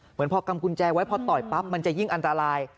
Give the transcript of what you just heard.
เหมือนพอกำกุญแจไว้พอต่อยปั๊บมันจะยิ่งอันตราย